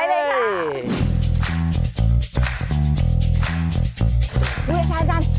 รู้พี่สายอาจารย์